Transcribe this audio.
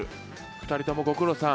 ２人ともご苦労さん。